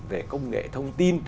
về công nghệ thông tin